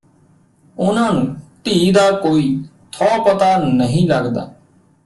ਉਨ੍ਹਾਂ ਨੂੰ ਧੀ ਦਾ ਕੋਈ ਥਹੁ ਪਤਾ ਨਹੀਂ ਲੱਗਦਾ